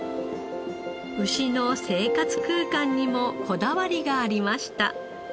牛の生活空間にもこだわりがありました。